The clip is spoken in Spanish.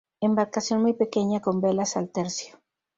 Embarcación muy pequeña con velas al tercio.